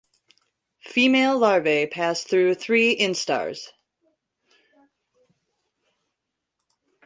Female larvae pass through three instars.